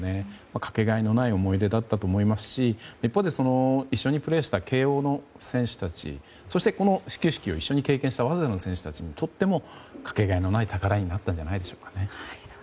かけがえのない思い出だったと思いますし一方で一緒にプレーした慶應の選手たちそしてこの始球式を一緒に経験した早稲田の選手たちにとってもとてもかけがえのない宝になったんじゃないでしょうか。